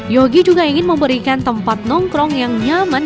yogi juga ingin memberikan tempat nongkrong yang nyaman